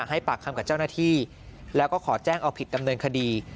ให้ปากคำกับเจ้าหน้าที่แล้วก็ขอแจ้งเอาผิดดำเนินคดี